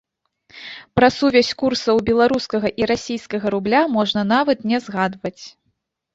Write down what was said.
Пра сувязь курсаў беларускага і расійскага рубля можна нават не згадваць.